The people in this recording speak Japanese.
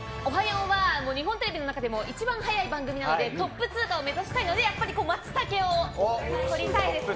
４は日本テレビの中でも一番早い番組なので、トップ通過を目指したいので、やっぱりマツタケを取りたいですね。